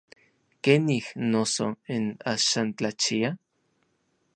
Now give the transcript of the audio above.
¿Kenij, noso, n axan tlachia?